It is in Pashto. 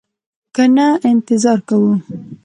که نه انتظار کوو.